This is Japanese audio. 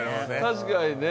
確かにね。